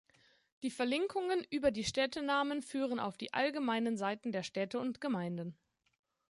Die Verlinkungen über die Städtenamen führen auf die allgemeinen Seiten der Städte und Gemeinden.